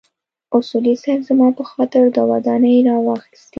اصولي صیب زما په خاطر دوه دانې راواخيستې.